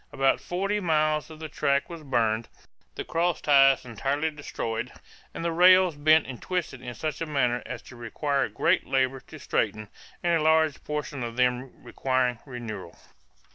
About forty miles of the track were burned, the cross ties entirely destroyed, and the rails bent and twisted in such a manner as to require great labor to straighten and a large portion of them requiring renewal."